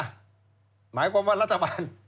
หมายความวาดลัตรบาล